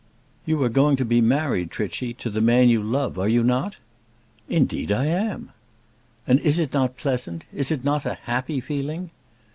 "You are going to be married, Trichy, to the man you love; are you not?" "Indeed, I am!" "And it is not pleasant? is it not a happy feeling?"